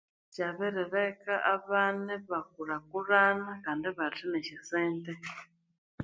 Kyabirileka abana ibakulhakulhana kandi ibatha nesya sente.